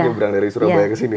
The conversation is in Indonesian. menyeberang dari surabaya ke sini